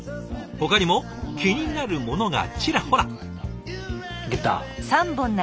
ほかにも気になるものがちらほら。